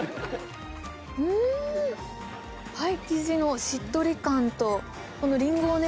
うんっパイ生地のしっとり感とこのリンゴをね